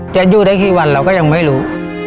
จะอยู่ได้กี่วันเราก็ยังไม่รู้